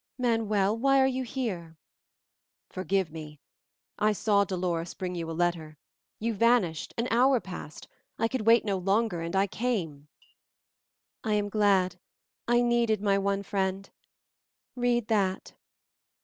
"Manuel, why are you here?" "Forgive me! I saw Dolores bring a letter; you vanished, an hour passed, I could wait no longer, and I came." "I am glad, I needed my one friend. Read that."